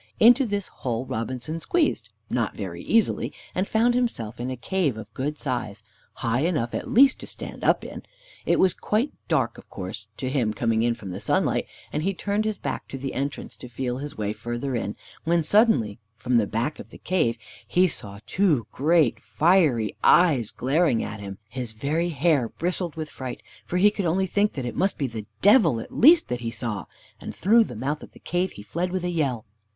Into this hole Robinson squeezed, not very easily, and found himself in a cave of good size, high enough, at least, to stand up in. It was quite dark, of course, to him coming in from the sunlight, and he turned his back to the entrance to feel his way further in, when suddenly, from the back of the cave he saw two great fiery eyes glaring at him. His very hair bristled with fright, for he could only think that it must be the Devil at least that he saw; and through the mouth of the cave he fled with a yell.